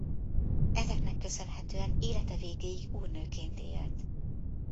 Ezeknek köszönhetően élete végéig úrnőként élt.